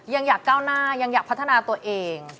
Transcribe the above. อยากก้าวหน้ายังอยากพัฒนาตัวเอง